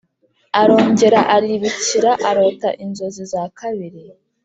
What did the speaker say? Arongera aribikira arota inzozi za kabiri